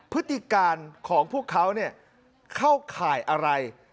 พฤติการของพวกเขาเข้าข่ายอะไร